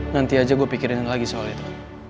nanti aja gue pikirin lagi soal itu